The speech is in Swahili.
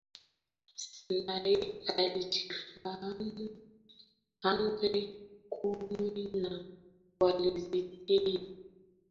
Sinai Walizifahamu Amri kumi na walizitii Lakini wanadamu waasi walizivunja Amri kumi na kuziasi